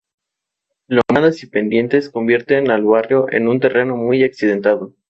Lomadas y pendientes convierten al barrio en un terreno muy accidentado.